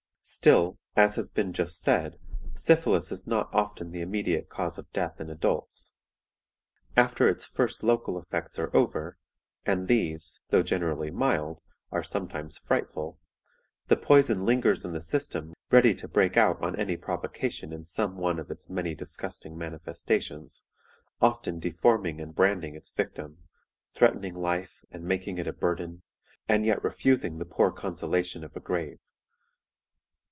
"Still, as has been just said, syphilis is not often the immediate cause of death in adults. After its first local effects are over and these, though generally mild, are sometimes frightful the poison lingers in the system ready to break out on any provocation in some one of its many disgusting manifestations, often deforming and branding its victim, threatening life and making it a burden, and yet refusing the poor consolation of a grave.